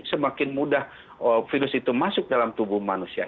semakin mudah virus itu masuk dalam tubuh manusia